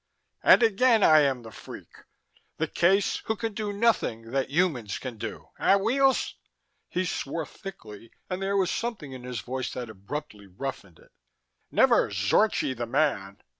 "And again I am the freak the case who can do nothing that humans can do, eh, Weels?" He swore thickly, and there was something in his voice that abruptly roughened it. "Never Zorchi the man!